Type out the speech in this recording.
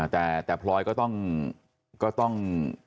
แต่พลอยก็ต้อง